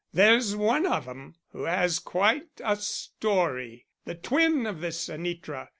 There's one of 'em who has quite a story; the twin of this Anitra.